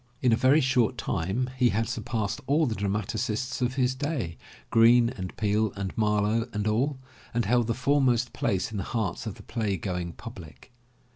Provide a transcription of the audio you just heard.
In a very short time he had surpassed all the dramatists of his day, Greene and Peele and Marlowe and all, and held the foremost place in the hearts of the play going public.